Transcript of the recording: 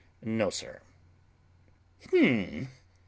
"No, sir." "Hum!